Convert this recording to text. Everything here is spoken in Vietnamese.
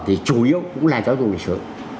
thì chủ yếu cũng là giáo dục lịch sử